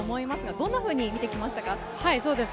どんなふうに見てきましたか？